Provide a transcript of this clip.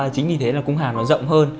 chính vì thế là cung hàm nó rộng hơn